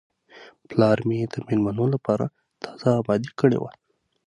پلار مې د میلمنو لپاره تازه آباده کړې وه.